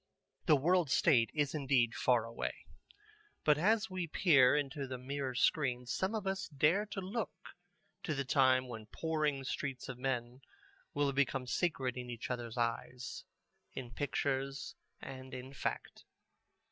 The World State is indeed far away. But as we peer into the Mirror Screen some of us dare to look forward to the time when the pouring streets of men will become sacred in each other's eyes, in pictures and in fact.